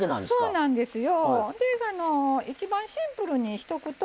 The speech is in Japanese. そうなんですよ。